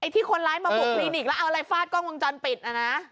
ที่คนร้ายมาบุกคลินิกแล้วเอาอะไรฟาดกล้องวงจรปิดนะนะ